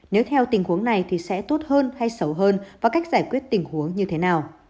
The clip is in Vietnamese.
nếu theo tình huống này thì sẽ tốt hơn hay xấu hơn và cách giải quyết tình huống như thế nào